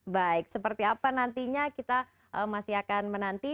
baik seperti apa nantinya kita masih akan menanti